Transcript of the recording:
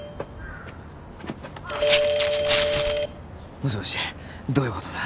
もしもしどういうことだ？